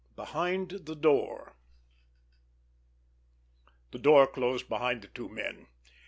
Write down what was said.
IX—BEHIND THE DOOR The door closed behind the two men.